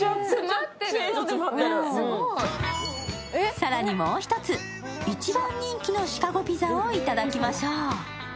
更にもう一つ、一番人気のシカゴピザをいただきましょう。